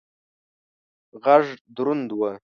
غږ دروند و.